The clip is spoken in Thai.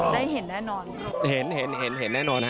ได้เห็นแน่นอน